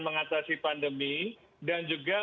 mengatasi pandemi dan juga